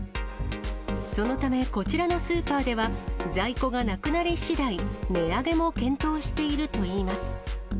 そのため、こちらのスーパーでは、在庫がなくなりしだい、値上げも検討しているといいます。